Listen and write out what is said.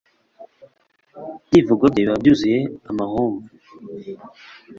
Ibyivugo bye biba byuzuyemo amahomvu